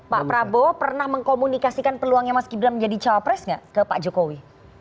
pak prabowo pernah mengkomunikasikan peluangnya mas gibran menjadi cawapres nggak ke pak jokowi